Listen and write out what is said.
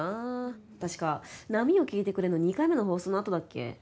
確か『波よ聞いてくれ』の２回目の放送のあとだっけ？